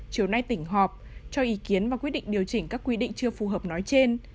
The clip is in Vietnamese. chiều nay tỉnh họp cho ý kiến và quyết định điều chỉnh các quy định chưa phù hợp nói trên